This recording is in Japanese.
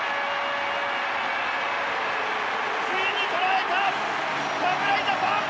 ついに捉えた侍ジャパン！